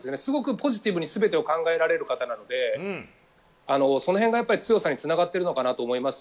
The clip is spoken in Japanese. ポジティブにすべてを考えられる方なので、そのへんが強さに繋がっているのかなと思います。